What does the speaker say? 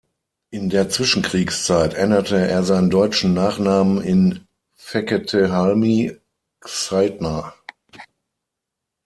In der Zwischenkriegszeit änderte er seinen deutschen Nachnamen in "Feketehalmy-Czeydner".